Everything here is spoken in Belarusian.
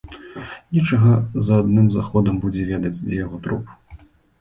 Нечага за адным заходам будзе ведаць, дзе яго труп.